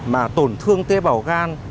mà tổn thương tế bào gan